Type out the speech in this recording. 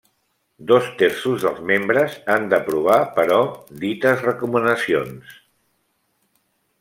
Dos terços dels membres han d'aprovar, però, dites recomanacions.